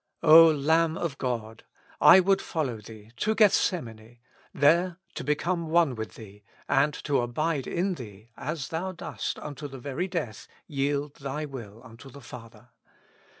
O Lamb of God ! I would follow Thee to Geth semane, there to become one with Thee, and to abide in Thee as Thou dost unto the very death yield Thy will unto the Father.